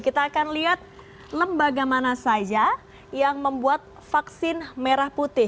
kita akan lihat lembaga mana saja yang membuat vaksin merah putih